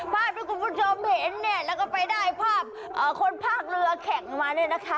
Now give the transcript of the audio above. พราบทุกคนผู้ชมเห็นแล้วก็ไปได้คนน่าภาคเนื้อแข่งมานี่